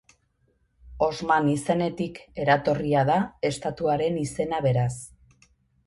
Osman izenetik eratorria da estatuaren izena beraz.